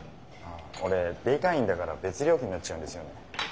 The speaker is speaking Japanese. ああオレデイ会員だから別料金になっちゃうんですよね。